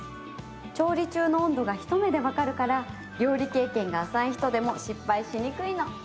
調理中の温度がひと目でわかるから料理経験が浅い人でも失敗しにくいの。